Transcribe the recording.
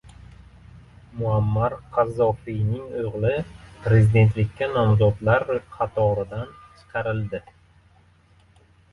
Muammar Qazzofiyning o‘g‘li prezidentlikka nomzodlar qatoridan chiqarildi